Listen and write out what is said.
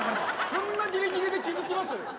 そんなギリギリで気付きます？